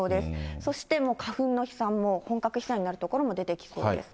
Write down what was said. そして花粉の飛散も、本格飛散になる所も出てきそうです。